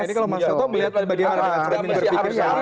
ini kalau masuk